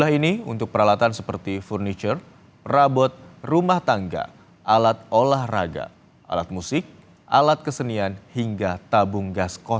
duaan lelang pengadaan perlengkapan rumah tangga jabatan dpr tahun dua ribu dua puluh di kalibata dan ulujami